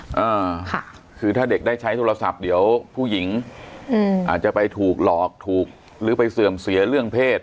อ่าค่ะคือถ้าเด็กได้ใช้โทรศัพท์เดี๋ยวผู้หญิงอืมอาจจะไปถูกหลอกถูกหรือไปเสื่อมเสียเรื่องเพศ